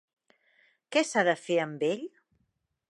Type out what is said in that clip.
Què s'ha de fer amb ell?